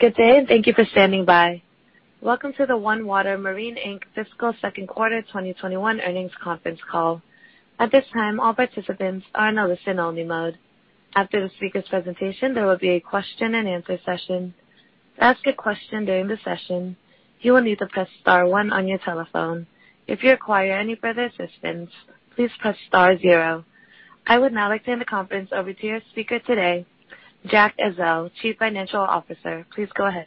Good day, and thank you for standing by. Welcome to the OneWater Marine, Inc. Fiscal Second Quarter 2021 Earnings Conference Call. At this time, all participants are in a listen-only mode. After the speaker's presentation, there will be a question and answer session. To ask a question during the session, you will need to press star one on your telephone. If you require any further assistance, please press star zero. I would now like to hand the conference over to your speaker today, Jack Ezzell, Chief Financial Officer. Please go ahead.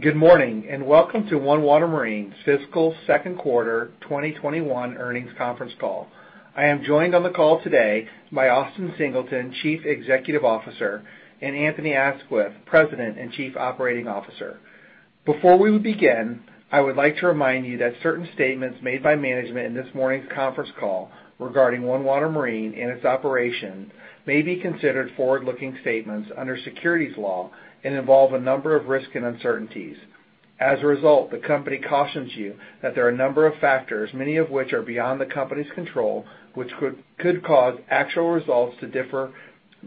Good morning, and welcome to OneWater Marine's Fiscal Second Quarter 2021 Earnings Conference Call. I am joined on the call today by Austin Singleton, Chief Executive Officer, and Anthony Aisquith, President and Chief Operating Officer. Before we begin, I would like to remind you that certain statements made by management in this morning's conference call regarding OneWater Marine and its operation may be considered forward-looking statements under securities law and involve a number of risks and uncertainties. As a result, the company cautions you that there are a number of factors, many of which are beyond the company's control, which could cause actual results to differ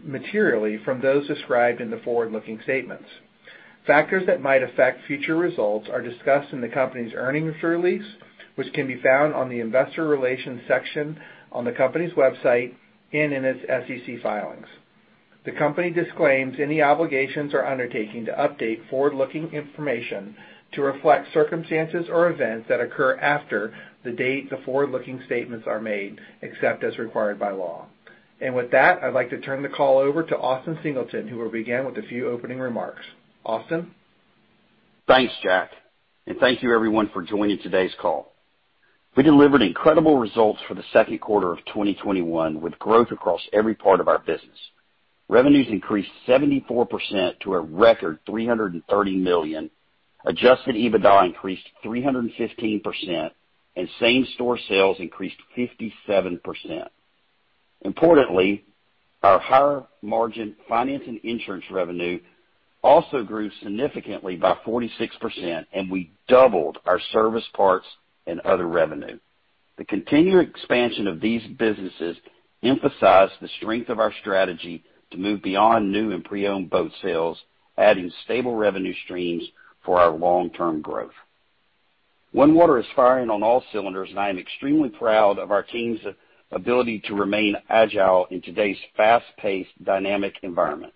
materially from those described in the forward-looking statements. Factors that might affect future results are discussed in the company's earnings release, which can be found on the investor relations section on the company's website and in its SEC filings. The company disclaims any obligations or undertaking to update forward-looking information to reflect circumstances or events that occur after the date the forward-looking statements are made, except as required by law. With that, I'd like to turn the call over to Austin Singleton, who will begin with a few opening remarks. Austin? Thanks, Jack. Thank you, everyone, for joining today's call. We delivered incredible results for the second quarter of 2021, with growth across every part of our business. Revenues increased 74% to a record $330 million, adjusted EBITDA increased 315%, and same-store sales increased 57%. Importantly, our higher margin finance and insurance revenue also grew significantly by 46%, and we doubled our service parts and other revenue. The continued expansion of these businesses emphasized the strength of our strategy to move beyond new and pre-owned boat sales, adding stable revenue streams for our long-term growth. OneWater is firing on all cylinders, and I am extremely proud of our team's ability to remain agile in today's fast-paced dynamic environment.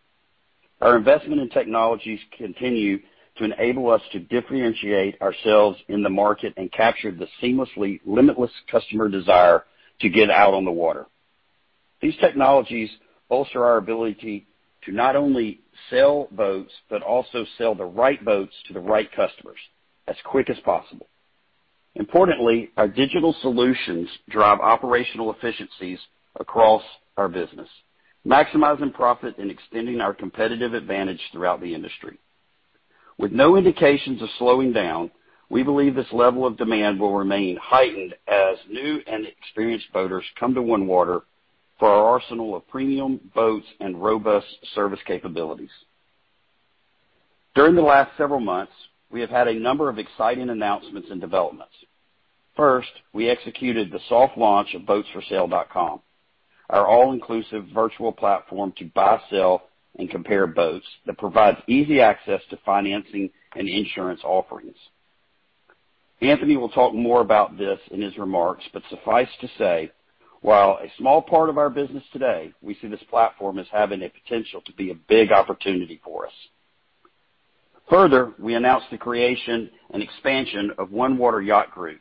Our investment in technologies continue to enable us to differentiate ourselves in the market and capture the seamlessly limitless customer desire to get out on the water. These technologies bolster our ability to not only sell boats but also sell the right boats to the right customers as quickly as possible. Importantly, our digital solutions drive operational efficiencies across our business, maximizing profit and extending our competitive advantage throughout the industry. With no indications of slowing down, we believe this level of demand will remain heightened as new and experienced boaters come to OneWater for our arsenal of premium boats and robust service capabilities. During the last several months, we have had a number of exciting announcements and developments. First, we executed the soft launch of boatsforsale.com, our all-inclusive virtual platform to buy, sell, and compare boats that provides easy access to finance and insurance offerings. Anthony will talk more about this in his remarks, but suffice to say, while a small part of our business today, we see this platform as having a potential to be a big opportunity for us. Further, we announced the creation and expansion of OneWater Yacht Group,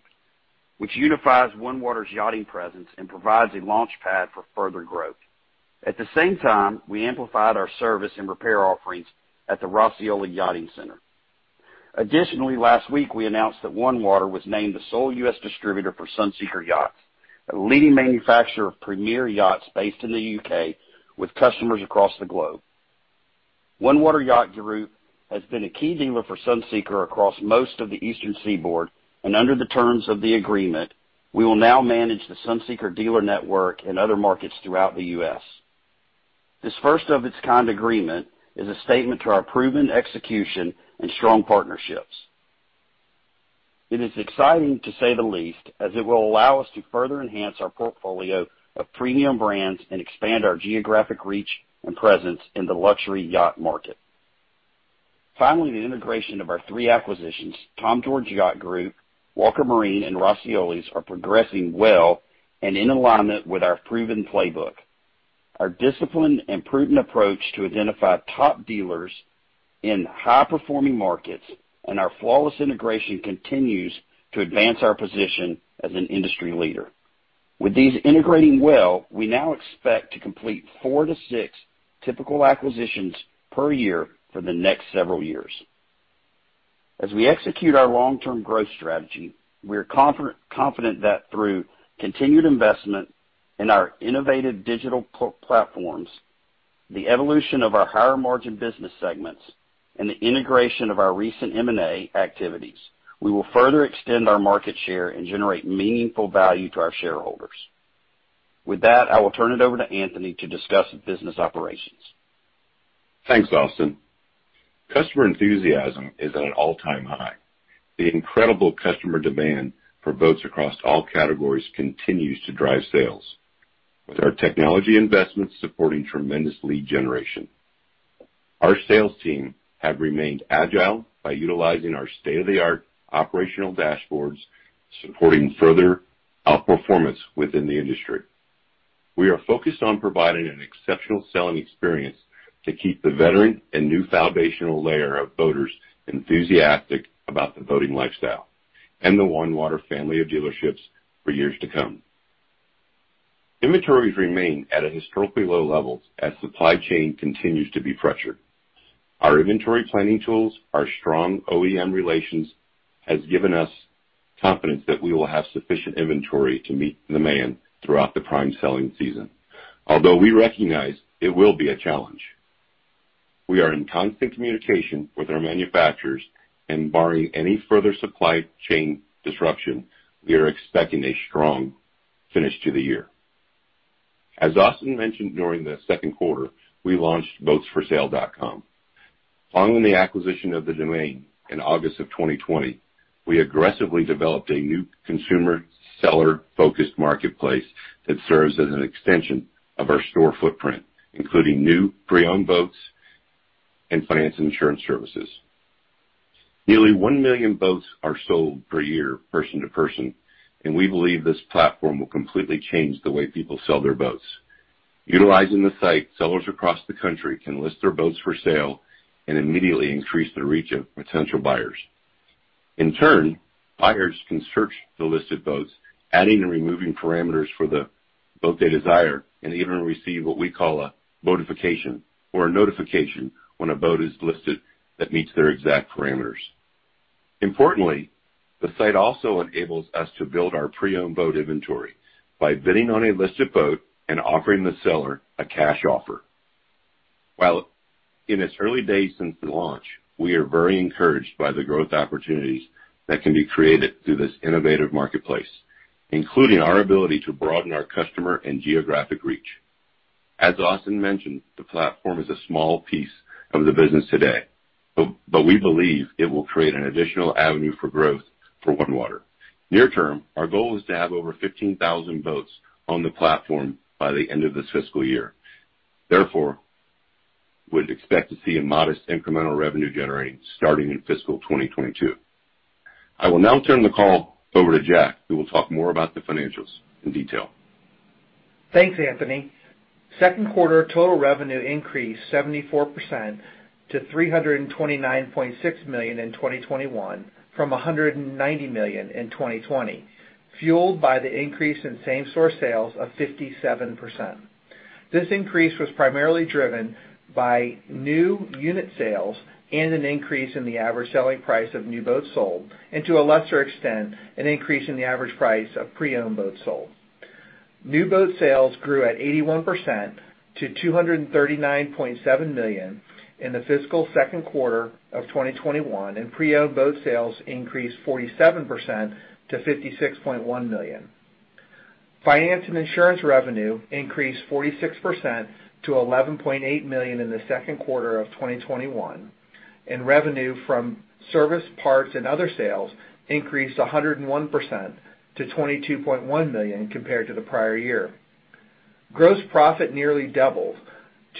which unifies OneWater's yachting presence and provides a launchpad for further growth. At the same time, we amplified our service and repair offerings at the Roscioli Yachting Center. Additionally, last week we announced that OneWater was named the sole U.S. distributor for Sunseeker Yachts, a leading manufacturer of premier yachts based in the U.K. with customers across the globe. OneWater Yacht Group has been a key dealer for Sunseeker across most of the eastern seaboard, and under the terms of the agreement, we will now manage the Sunseeker dealer network in other markets throughout the U.S. This first of its kind agreement is a statement to our proven execution and strong partnerships. It is exciting to say the least, as it will allow us to further enhance our portfolio of premium brands and expand our geographic reach and presence in the luxury yacht market. Finally, the integration of our three acquisitions, Tom George Yacht Group, Walker Marine, and Roscioli's, are progressing well and in alignment with our proven playbook. Our disciplined and prudent approach to identify top dealers in high-performing markets and our flawless integration continues to advance our position as an industry leader. With these integrating well, we now expect to complete four to six typical acquisitions per year for the next several years. As we execute our long-term growth strategy, we are confident that through continued investment in our innovative digital platforms, the evolution of our higher margin business segments, and the integration of our recent M&A activities, we will further extend our market share and generate meaningful value to our shareholders. With that, I will turn it over to Anthony to discuss business operations. Thanks, Austin. Customer enthusiasm is at an all-time high. The incredible customer demand for boats across all categories continues to drive sales. With our technology investments supporting tremendous lead generation. Our sales team have remained agile by utilizing our state-of-the-art operational dashboards, supporting further outperformance within the industry. We are focused on providing an exceptional selling experience to keep the veteran and new foundational layer of boaters enthusiastic about the boating lifestyle, and the OneWater family of dealerships for years to come. Inventories remain at historically low levels as supply chain continues to be pressured. Our inventory planning tools, our strong OEM relations, has given us confidence that we will have sufficient inventory to meet demand throughout the prime selling season. Although we recognize it will be a challenge. We are in constant communication with our manufacturers, and barring any further supply chain disruption, we are expecting a strong finish to the year. As Austin mentioned during the second quarter, we launched boatsforsale.com. Following the acquisition of the domain in August of 2020, we aggressively developed a new consumer seller-focused marketplace that serves as an extension of our store footprint, including new, pre-owned boats, and finance and insurance services. Nearly 1 million boats are sold per year person to person. We believe this platform will completely change the way people sell their boats. Utilizing the site, sellers across the country can list their boats for sale and immediately increase their reach of potential buyers. In turn, buyers can search the listed boats, adding and removing parameters for the boat they desire, and even receive what we call a boatification or a notification when a boat is listed that meets their exact parameters. Importantly, the site also enables us to build our pre-owned boat inventory by bidding on a listed boat and offering the seller a cash offer. While in its early days since the launch, we are very encouraged by the growth opportunities that can be created through this innovative marketplace, including our ability to broaden our customer and geographic reach. As Austin mentioned, the platform is a small piece of the business today, but we believe it will create an additional avenue for growth for OneWater. Near term, our goal is to have over 15,000 boats on the platform by the end of this fiscal year. Therefore, we'd expect to see a modest incremental revenue generating starting in fiscal 2022. I will now turn the call over to Jack, who will talk more about the financials in detail. Thanks, Anthony. Second quarter total revenue increased 74% to $329.6 million in 2021 from $190 million in 2020, fueled by the increase in same-store sales of 57%. This increase was primarily driven by new unit sales and an increase in the average selling price of new boats sold, and to a lesser extent, an increase in the average price of pre-owned boats sold. New boat sales grew at 81% to $239.7 million in the fiscal second quarter of 2021, and pre-owned boat sales increased 47% to $56.1 million. Finance and insurance revenue increased 46% to $11.8 million in the second quarter of 2021. Revenue from service, parts, and other sales increased 101% to $22.1 million compared to the prior year. Gross profit nearly doubled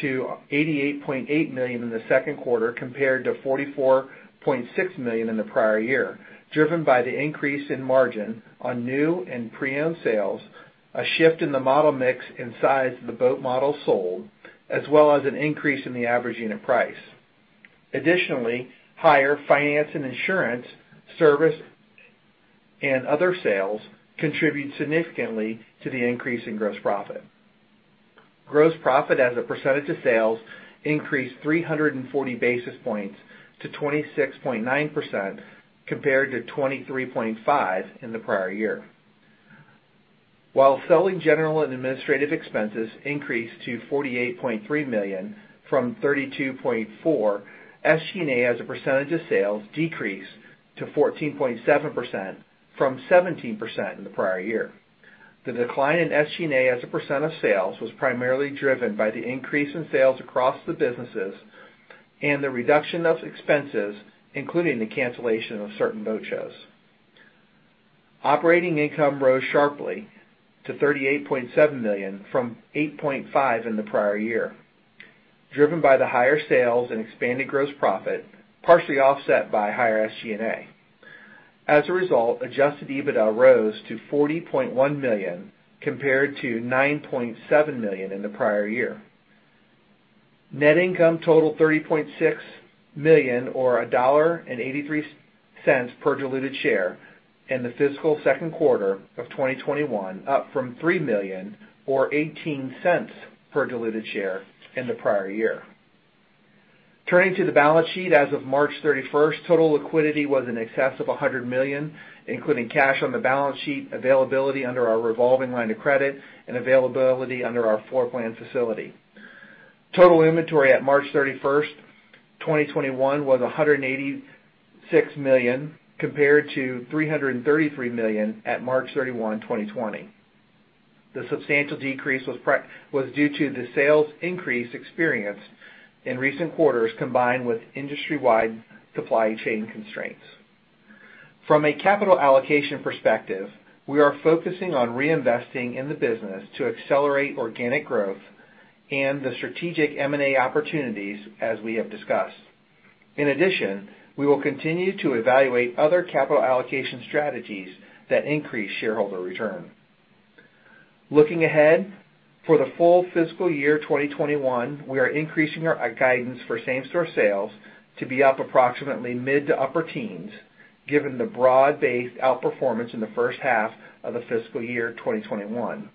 to $88.8 million in the second quarter compared to $44.6 million in the prior year, driven by the increase in margin on new and pre-owned sales, a shift in the model mix in size of the boat models sold, as well as an increase in the average unit price. Additionally, higher finance and insurance, service, and other sales contribute significantly to the increase in gross profit. Gross profit as a percentage of sales increased 340 basis points to 26.9% compared to 23.5% in the prior year. While selling, general, and administrative expenses increased to $48.3 million from $32.4, SG&A as a percentage of sales decreased to 14.7% from 17% in the prior year. The decline in SG&A as a percent of sales was primarily driven by the increase in sales across the businesses and the reduction of expenses, including the cancellation of certain boat shows. Operating income rose sharply to $38.7 million from $8.5 million in the prior year, driven by the higher sales and expanded gross profit, partially offset by higher SG&A. Adjusted EBITDA rose to $40.1 million compared to $9.7 million in the prior year. Net income totaled $30.6 million or a $1.83 per diluted share in the fiscal second quarter of 2021, up from $3 million or $0.18 per diluted share in the prior year. Turning to the balance sheet, as of March 31st, total liquidity was in excess of $100 million, including cash on the balance sheet, availability under our revolving line of credit, and availability under our floor plan facility. Total inventory at March 31st, 2021, was $186 million compared to $333 million at March 31, 2020. The substantial decrease was due to the sales increase experienced in recent quarters, combined with industry-wide supply chain constraints. From a capital allocation perspective, we are focusing on reinvesting in the business to accelerate organic growth and the strategic M&A opportunities as we have discussed. In addition, we will continue to evaluate other capital allocation strategies that increase shareholder return. Looking ahead, for the full fiscal year 2021, we are increasing our guidance for same-store sales to be up approximately mid to upper teens, given the broad-based outperformance in the first half of the fiscal year 2021.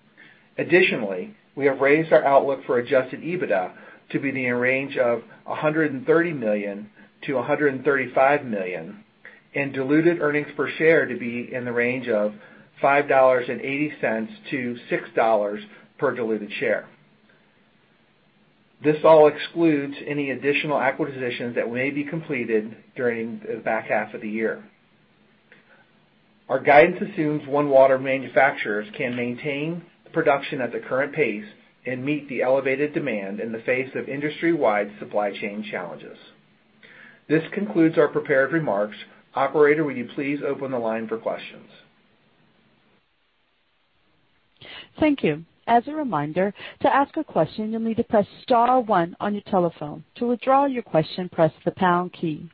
Additionally, we have raised our outlook for adjusted EBITDA to be in the range of $130 million-$135 million, and diluted earnings per share to be in the range of $5.80-$6 per diluted share. This all excludes any additional acquisitions that may be completed during the back half of the year. Our guidance assumes OneWater manufacturers can maintain production at the current pace and meet the elevated demand in the face of industry-wide supply chain challenges. This concludes our prepared remarks. Operator, will you please open the line for questions? Thank you. As a reminder, to ask a question, you'll need to press star one on your telephone. To withdraw your question, press the pound key.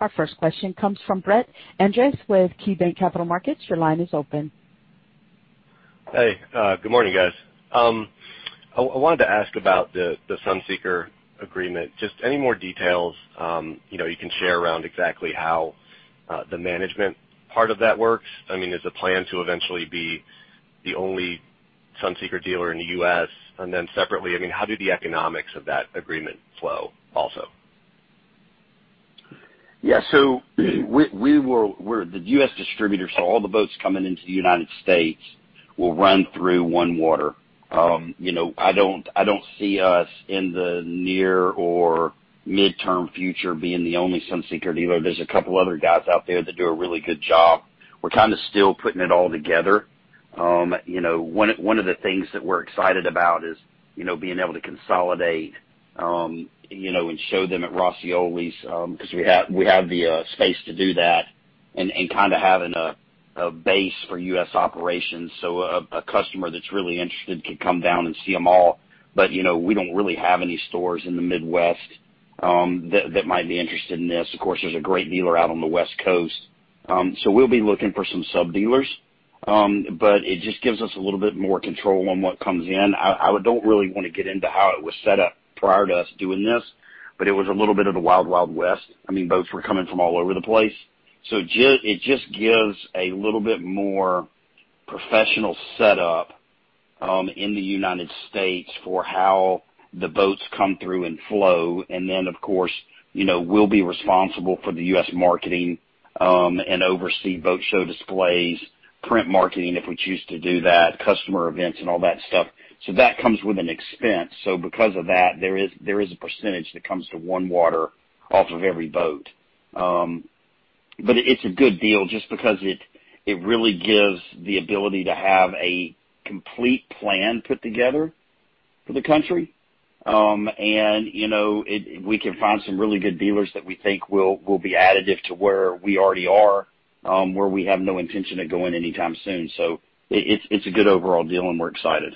Our first question comes from Brett Andress with KeyBanc Capital Markets. Your line is open. Hey. Good morning, guys. I wanted to ask about the Sunseeker agreement. Just any more details, you can share around exactly how the management part of that works? Is the plan to eventually be the only Sunseeker dealer in the U.S.? Then separately, how do the economics of that agreement flow also? Yeah. We're the U.S. distributor. All the boats coming into the United States will run through OneWater. I don't see us in the near or midterm future being the only Sunseeker dealer. There's a couple other guys out there that do a really good job. We're kind of still putting it all together. One of the things that we're excited about is being able to consolidate, and show them at Roscioli's, because we have the space to do that and kind of having a base for U.S. operations. A customer that's really interested could come down and see them all. We don't really have any stores in the Midwest that might be interested in this. Of course, there's a great dealer out on the West Coast. We'll be looking for some sub-dealers. It just gives us a little bit more control on what comes in. I don't really want to get into how it was set up prior to us doing this, but it was a little bit of the wild wild west. Boats were coming from all over the place. It just gives a little bit more professional setup, in the U.S. for how the boats come through and flow. Of course, we'll be responsible for the U.S. marketing, and oversee boat show displays, print marketing, if we choose to do that, customer events and all that stuff. That comes with an expense. Because of that, there is a percentage that comes to OneWater off of every boat. It's a good deal just because it really gives the ability to have a complete plan put together for the country. We can find some really good dealers that we think will be additive to where we already are, where we have no intention of going anytime soon. It's a good overall deal, and we're excited.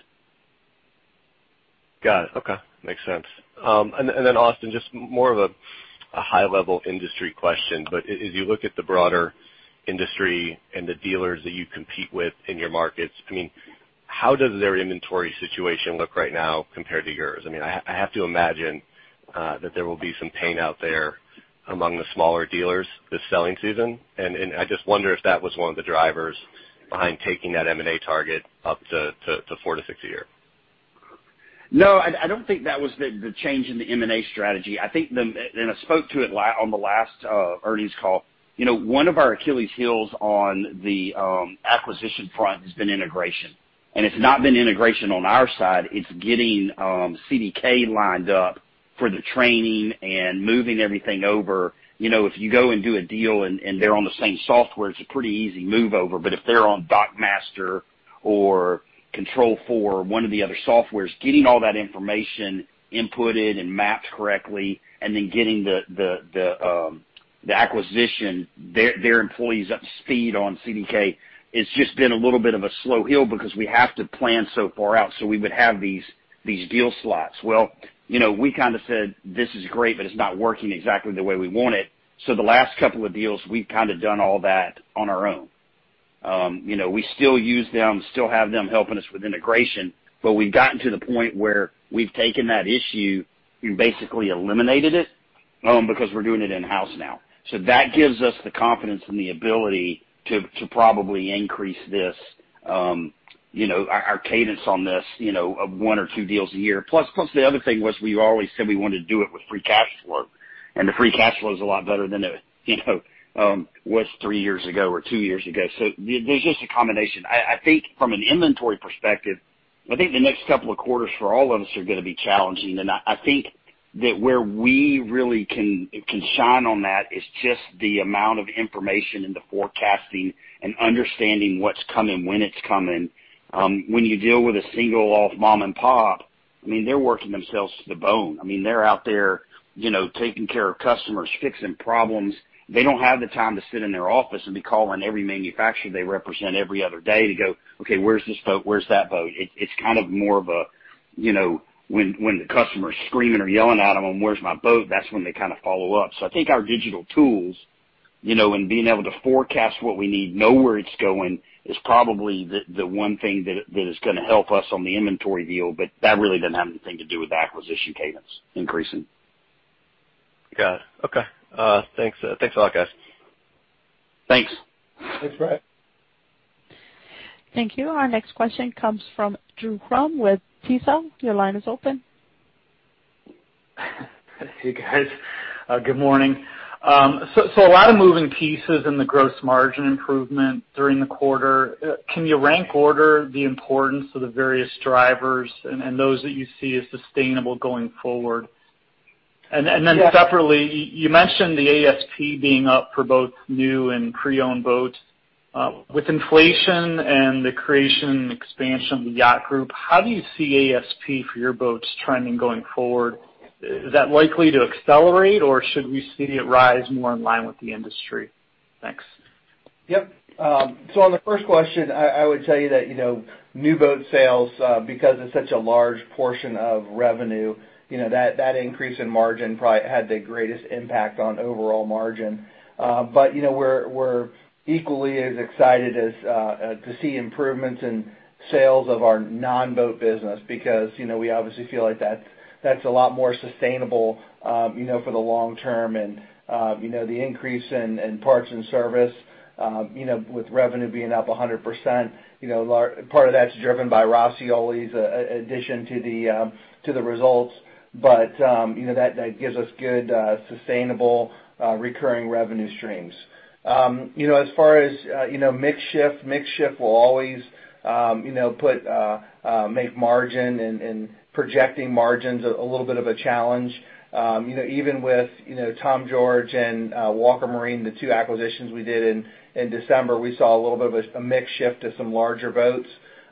Got it. Okay. Makes sense. Austin, just more of a high-level industry question, but as you look at the broader industry and the dealers that you compete with in your markets, how does their inventory situation look right now compared to yours? I have to imagine that there will be some pain out there among the smaller dealers this selling season. I just wonder if that was one of the drivers behind taking that M&A target up to four to six a year. No, I don't think that was the change in the M&A strategy. I spoke to it on the last earnings call. One of our Achilles heels on the acquisition front has been integration. It's not been integration on our side. It's getting CDK lined up for the training and moving everything over. If you go and do a deal and they're on the same software, it's a pretty easy move over. If they're on DockMaster or control for one of the other softwares, getting all that information inputted and mapped correctly, and then getting the acquisition, their employees up to speed on CDK, it's just been a little bit of a slow hill because we have to plan so far out, so we would have these deal slots. Well, we kind of said, "This is great, but it's not working exactly the way we want it." The last couple of deals, we've kind of done all that on our own. We still use them, still have them helping us with integration, but we've gotten to the point where we've taken that issue and basically eliminated it, because we're doing it in-house now. That gives us the confidence and the ability to probably increase our cadence on this, of one or two deals a year. The other thing was we've always said we wanted to do it with free cash flow, and the free cash flow is a lot better than it was three years ago or two years ago. There's just a combination. I think from an inventory perspective, I think the next couple of quarters for all of us are going to be challenging. I think that where we really can shine on that is just the amount of information and the forecasting and understanding what's coming, when it's coming. When you deal with a single off mom and pop. I mean, they're working themselves to the bone. They're out there taking care of customers, fixing problems. They don't have the time to sit in their office and be calling every manufacturer they represent every other day to go, "Okay, where's this boat? Where's that boat?" It's more of a, when the customer's screaming or yelling at them, "Where's my boat?" That's when they follow up. I think our digital tools, and being able to forecast what we need, know where it's going, is probably the one thing that is going to help us on the inventory deal. That really doesn't have anything to do with the acquisition cadence increasing. Got it. Okay. Thanks a lot, guys. Thanks. Thanks, Brett. Thank you. Our next question comes from Drew Crum with Stifel. Your line is open. Hey, guys. Good morning. A lot of moving pieces in the gross margin improvement during the quarter. Can you rank order the importance of the various drivers and those that you see as sustainable going forward? Separately, you mentioned the ASP being up for both new and pre-owned boats. With inflation and the creation and expansion of the yacht group, how do you see ASP for your boats trending going forward? Is that likely to accelerate, or should we see it rise more in line with the industry? Thanks. Yep. On the first question, I would tell you that new boat sales, because it's such a large portion of revenue, that increase in margin probably had the greatest impact on overall margin. We're equally as excited to see improvements in sales of our non-boat business because we obviously feel like that's a lot more sustainable for the long term. The increase in parts and service, with revenue being up 100%, part of that's driven by Roscioli's addition to the results. That gives us good, sustainable, recurring revenue streams. As far as mix shift, mix shift will always make margin and projecting margins a little bit of a challenge. Even with Tom George and Walker Marine, the two acquisitions we did in December, we saw a little bit of a mix shift to some larger boats.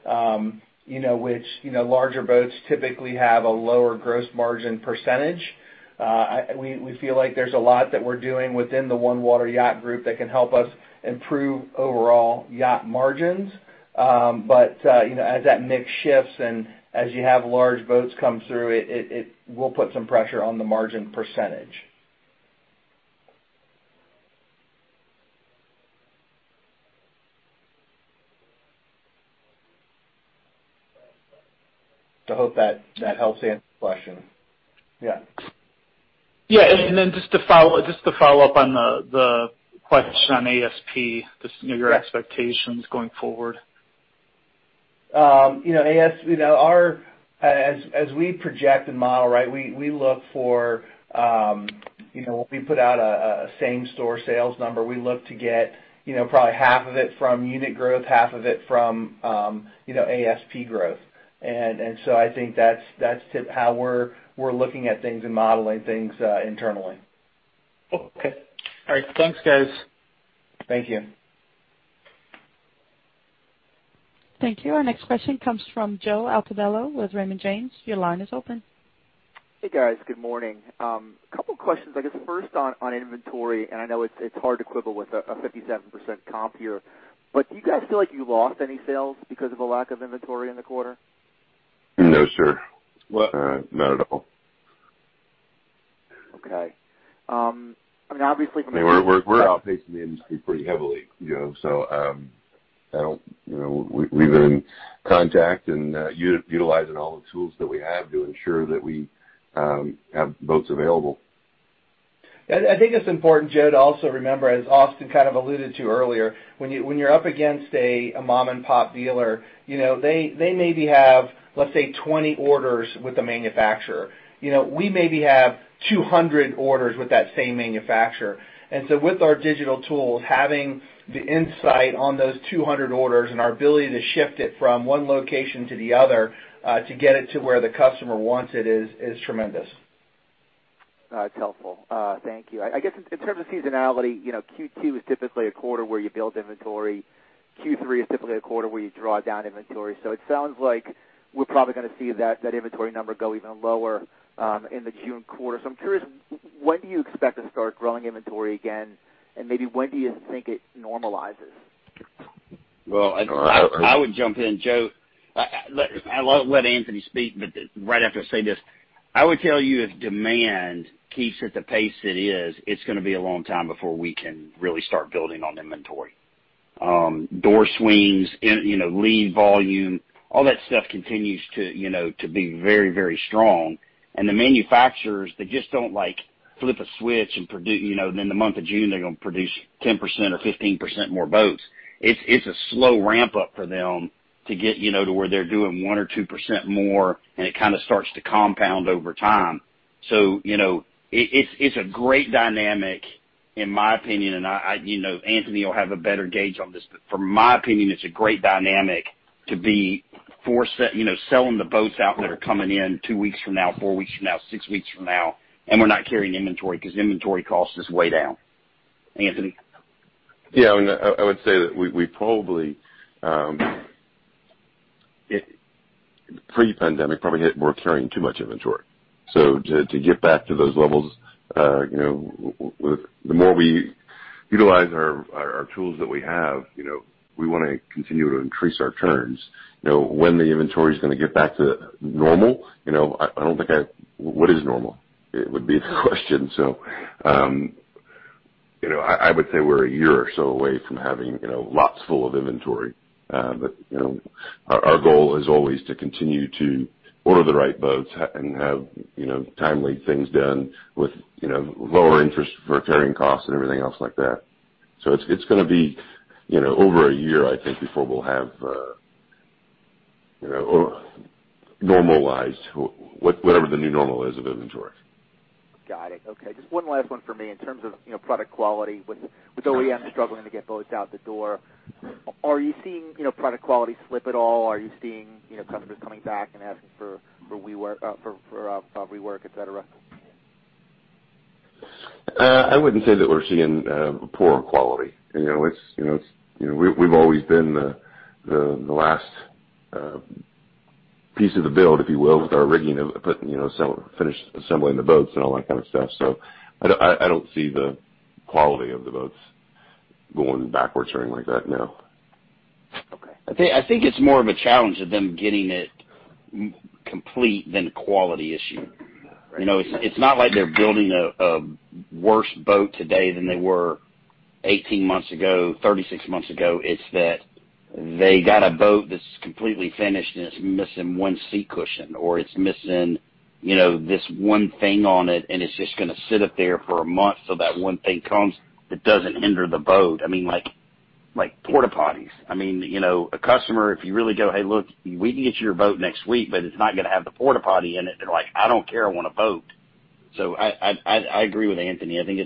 Larger boats typically have a lower gross margin percentage. We feel like there's a lot that we're doing within the OneWater Yacht Group that can help us improve overall yacht margins. As that mix shifts and as you have large boats come through, it will put some pressure on the margin percentage. I hope that helps answer the question. Yeah. Yeah. Just to follow up on the question on ASP, just your expectations going forward. As we project and model, we look for when we put out a same-store sales number, we look to get probably half of it from unit growth, half of it from ASP growth. I think that's how we're looking at things and modeling things internally. Okay. All right. Thanks, guys. Thank you. Thank you. Our next question comes from Joe Altobello with Raymond James. Your line is open. Hey, guys. Good morning. A couple of questions. I guess first on inventory. I know it's hard to quibble with a 57% comp here. Do you guys feel like you lost any sales because of a lack of inventory in the quarter? No, sir. Not at all. Okay. We're outpacing the industry pretty heavily. We've been in contact and utilizing all the tools that we have to ensure that we have boats available. I think it's important, Joe, to also remember, as Austin kind of alluded to earlier, when you're up against a mom-and-pop dealer, they maybe have, let's say, 20 orders with a manufacturer. We maybe have 200 orders with that same manufacturer. With our digital tools, having the insight on those 200 orders and our ability to shift it from one location to the other, to get it to where the customer wants it is tremendous. That's helpful. Thank you. I guess in terms of seasonality, Q2 is typically a quarter where you build inventory. Q3 is typically a quarter where you draw down inventory. It sounds like we're probably going to see that inventory number go even lower in the June quarter. I'm curious, when do you expect to start growing inventory again? Maybe when do you think it normalizes? I would jump in, Joe. I'll let Anthony speak, but right after I say this. I would tell you if demand keeps at the pace it is, it's going to be a long time before we can really start building on inventory. Door swings, lead volume, all that stuff continues to be very strong. The manufacturers, they just don't flip a switch and in the month of June, they're going to produce 10% or 15% more boats. It's a slow ramp-up for them to get to where they're doing 1% or 2% more, and it kind of starts to compound over time. It's a great dynamic in my opinion, and Anthony will have a better gauge on this, but from my opinion, it's a great dynamic to be selling the boats out that are coming in two weeks from now, four weeks from now, six weeks from now, and we're not carrying inventory because inventory cost is way down. Anthony? Yeah, I would say that we probably, pre-pandemic, probably were carrying too much inventory. To get back to those levels, the more we utilize our tools that we have, we want to continue to increase our turns. When the inventory is going to get back to normal, I don't think what is normal? Would be the question. I would say we're a year or so away from having lots full of inventory. Our goal is always to continue to order the right boats and have timely things done with lower interest for carrying costs and everything else like that. It's going to be over a year, I think, before we'll have normalized whatever the new normal is of inventory. Got it. Okay. Just one last one for me. In terms of product quality, with OEMs struggling to get boats out the door, are you seeing product quality slip at all? Are you seeing customers coming back and asking for rework, et cetera? I wouldn't say that we're seeing poor quality. We've always been the last piece of the build, if you will, with our rigging, putting finished assembling the boats and all that kind of stuff. I don't see the quality of the boats going backwards or anything like that, no. Okay. I think it's more of a challenge of them getting it complete than a quality issue. It's not like they're building a worse boat today than they were 18 months ago, 36 months ago. It's that they got a boat that's completely finished and it's missing one seat cushion, or it's missing this one thing on it, and it's just going to sit up there for a month so that one thing comes that doesn't hinder the boat. Like porta potties. A customer, if you really go, "Hey, look, we can get you your boat next week, but it's not going to have the porta potty in it." They're like, "I don't care. I want a boat." I agree with Anthony. I think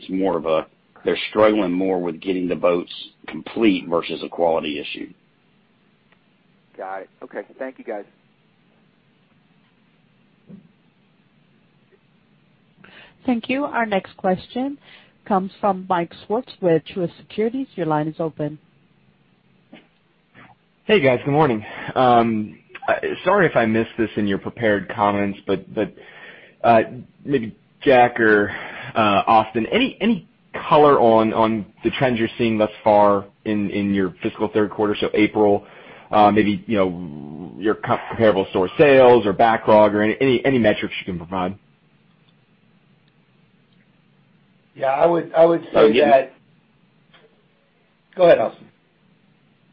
they're struggling more with getting the boats complete versus a quality issue. Got it. Okay. Thank you, guys. Thank you. Our next question comes from Mike Swartz with Truist Securities. Your line is open. Hey, guys. Good morning. Sorry if I missed this in your prepared comments, but maybe Jack or Austin, any color on the trends you're seeing thus far in your fiscal third quarter, so April? Maybe your comparable store sales or backlog or any metrics you can provide. Yeah. Go ahead, Austin.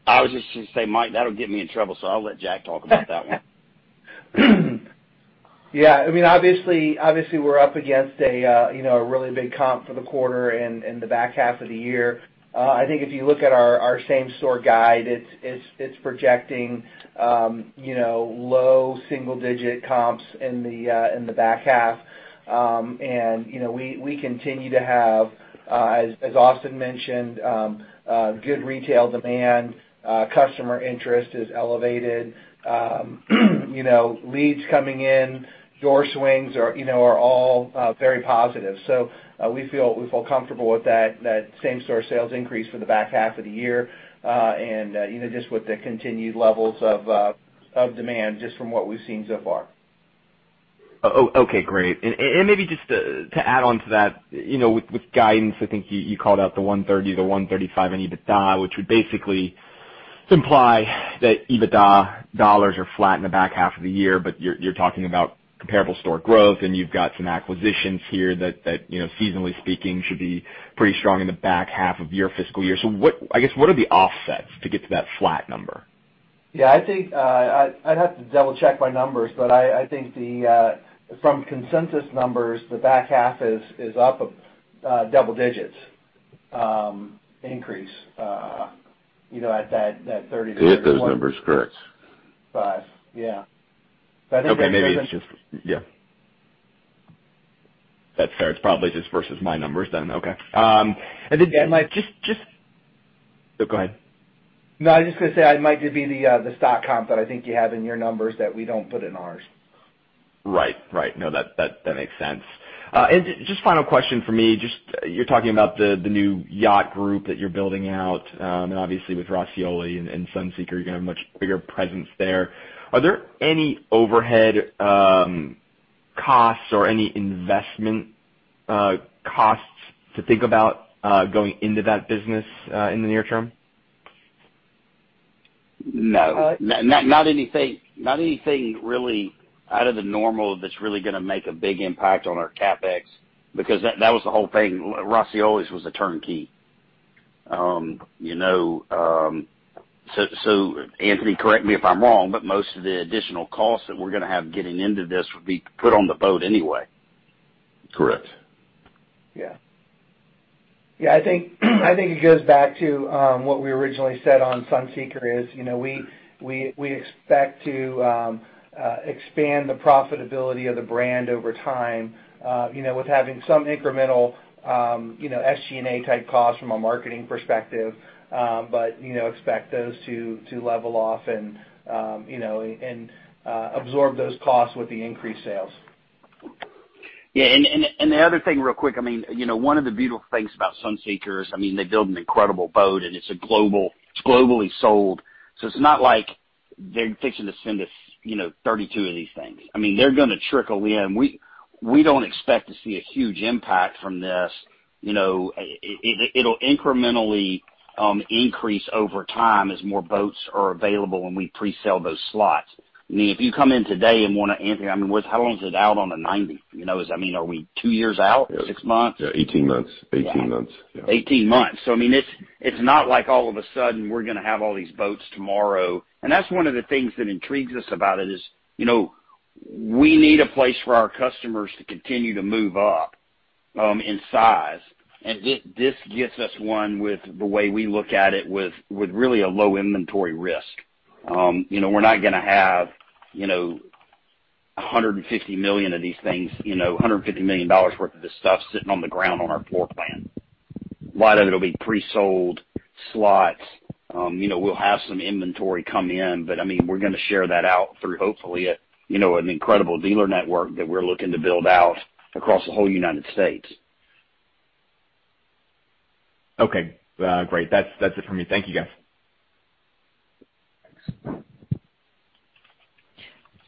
I was just going to say, Mike, that'll get me in trouble, so I'll let Jack talk about that one. Yeah. Obviously, we're up against a really big comp for the quarter and the back half of the year. I think if you look at our same-store guide, it's projecting low single-digit comps in the back half. We continue to have, as Austin mentioned, good retail demand. Customer interest is elevated. Leads coming in, door swings are all very positive. We feel comfortable with that same-store sales increase for the back half of the year, and just with the continued levels of demand just from what we've seen so far. Okay, great. Maybe just to add on to that, with guidance, I think you called out the $130 million-$135 million in EBITDA, which would basically imply that EBITDA dollars are flat in the back half of the year, you're talking about comparable store growth, you've got some acquisitions here that seasonally speaking, should be pretty strong in the back half of your fiscal year. I guess, what are the offsets to get to that flat number? Yeah, I'd have to double-check my numbers, but I think from consensus numbers, the back half is up a double digits increase at that 30%. If those numbers are correct. Five. Yeah. Okay. Maybe it's just. Yeah. That's fair. It's probably just versus my numbers, then. Okay. Oh, go ahead. No, I was just going to say it might just be the stock comp that I think you have in your numbers that we don't put in ours. Right. No, that makes sense. Just final question for me. You're talking about the new yacht group that you're building out, and obviously with Roscioli and Sunseeker, you're going to have a much bigger presence there. Are there any overhead costs or any investment costs to think about going into that business in the near term? No. Not anything really out of the normal that's really going to make a big impact on our CapEx, because that was the whole thing. Roscioli's was a turnkey. Anthony, correct me if I'm wrong, most of the additional costs that we're going to have getting into this would be put on the boat anyway. Correct. Yeah. I think it goes back to what we originally said on Sunseeker is, we expect to expand the profitability of the brand over time with having some incremental SG&A type costs from a marketing perspective. Expect those to level off and absorb those costs with the increased sales. Yeah, and the other thing real quick, one of the beautiful things about Sunseeker is, they build an incredible boat, and it's globally sold. It's not like they're fixing to send us 32 of these things. They're going to trickle in. We don't expect to see a huge impact from this. It'll incrementally increase over time as more boats are available and we pre-sell those slots. Anthony, how long is it out on the 90? Are we two years out? Six months? Yeah, 18 months. 18 months. It's not like all of a sudden we're going to have all these boats tomorrow. That's one of the things that intrigues us about it is, we need a place for our customers to continue to move up in size. This gets us one with, the way we look at it, with really a low inventory risk. We're not going to have $150 million worth of this stuff sitting on the ground on our floor plan. A lot of it'll be pre-sold slots. We'll have some inventory come in, but we're going to share that out through, hopefully, an incredible dealer network that we're looking to build out across the whole United States. Okay, great. That's it from me. Thank you, guys.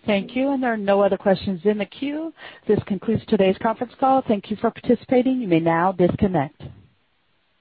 Thank you. There are no other questions in the queue. This concludes today's conference call. Thank you for participating. You may now disconnect.